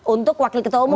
untuk wakil ketua umum